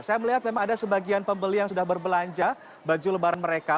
saya melihat memang ada sebagian pembeli yang sudah berbelanja baju lebaran mereka